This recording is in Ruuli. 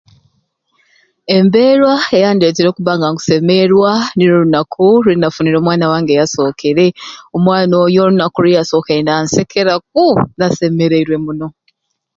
Embeerwa eyandeeteire okuba nga nkusemeerwa nirwo lunaku lwenafunire omwana wange eyasookere omwana oyo olunaku lweyasookere nansekeraku nasemereirwe muno